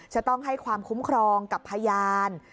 จะต้องให้ความคุ้มครองกับพยาน